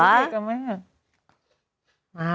มีออนไลน์ก็ไม่ใช่หรือ